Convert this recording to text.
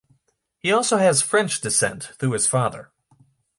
He also has French descent through his father.